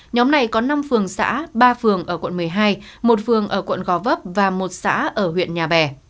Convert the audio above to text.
nhóm này có năm phường xã ba phường ở quận một mươi hai một phường ở quận gò vấp và một xã ở huyện nhà bè